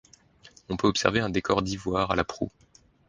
On peut observer un décor d'ivoire à la proue.